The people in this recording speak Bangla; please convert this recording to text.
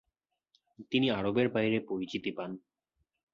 তিনি আরবের বাইরে পরিচিতি পান।